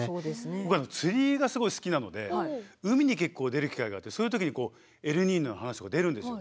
僕釣りがすごい好きなので海に結構出る機会があってそういう時にエルニーニョの話とか出るんですよ。